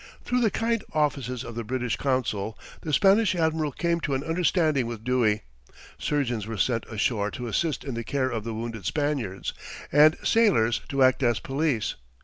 Through the kind offices of the British consul the Spanish admiral came to an understanding with Dewey. Surgeons were sent ashore to assist in the care of the wounded Spaniards, and sailors to act as police.